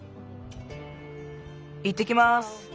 いってきます。